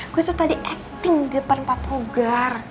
gue tuh tadi acting di depan patrogar